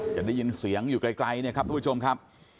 จะได้ยินเสียงอยู่ไกลเนี่ยครับทุกผู้ชมครับ